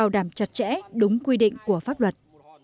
làm chặt chẽ đúng quy định của pháp luật